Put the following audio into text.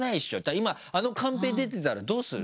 今あのカンペ出てたらどうする？